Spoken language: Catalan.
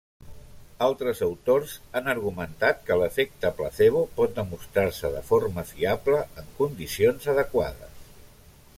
Altres autors han argumentat que l'efecte placebo pot demostrar-se de forma fiable en condicions adequades.